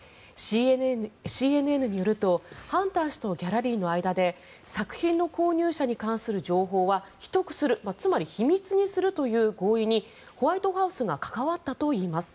ＣＮＮによるとハンター氏とギャラリーの間で作品の購入者に関する情報は秘匿するつまり、秘密にするという合意にホワイトハウスが関わったといいます。